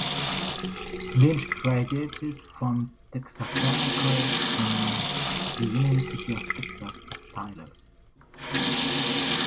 Lynch graduated from Texarkana College and the University of Texas at Tyler.